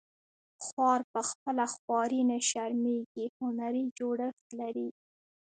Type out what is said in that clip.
خوار په خپله خواري نه شرمیږي هنري جوړښت لري